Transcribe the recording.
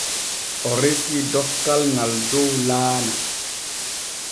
O resii dokkal ŋal dow laana.